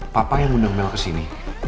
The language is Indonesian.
papa yang undang mel kesini